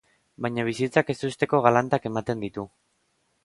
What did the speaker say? Baina bizitzak ezusteko galantak ematen ditu.